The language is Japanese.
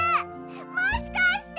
もしかして！